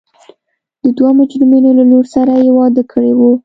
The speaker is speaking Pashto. د دوو مجرمینو له لور سره یې واده کړی و.